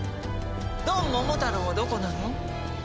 ドンモモタロウはどこなの？